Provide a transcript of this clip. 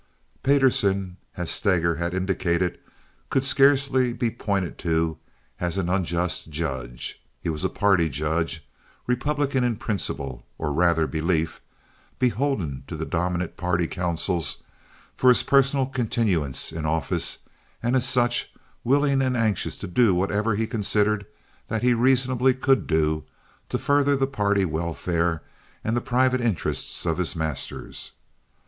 Payderson, as Steger had indicated, could scarcely be pointed to as an unjust judge. He was a party judge—Republican in principle, or rather belief, beholden to the dominant party councils for his personal continuance in office, and as such willing and anxious to do whatever he considered that he reasonably could do to further the party welfare and the private interests of his masters.